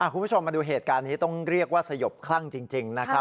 คุณผู้ชมมาดูเหตุการณ์นี้ต้องเรียกว่าสยบคลั่งจริงนะครับ